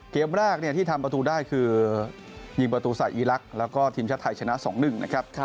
เกมแรกที่ทำประตูได้คือยิงประตูใส่อีลักษณ์แล้วก็ทีมชาติไทยชนะ๒๑นะครับ